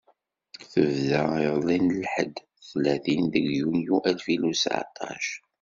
Tebda iḍelli n lḥedd, tlatin deg yunyu alfin u seεṭac.